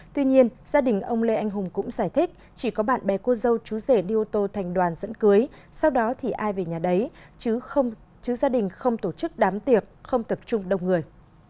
tuy nhiên gia đình ông lê anh hùng cũng giải thích chỉ có bạn bè cô dâu chú rể đi ô tô thành đoàn dẫn cưới sau đó thì ai về nhà đấy chứ gia đình không tổ chức đám tiệc không tập trung đông người